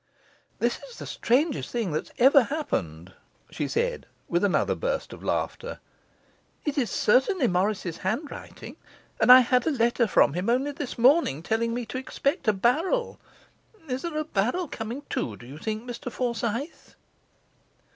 'This is the strangest thing that ever happened,' she said, with another burst of laughter. 'It is certainly Morris's handwriting, and I had a letter from him only this morning, telling me to expect a barrel. Is there a barrel coming too, do you think, Mr Forsyth?